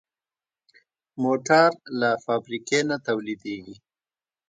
موټر له فابریکې نه تولیدېږي.